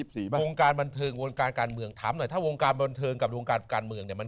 มีการเลือกตั้งมั้ย